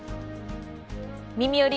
「みみより！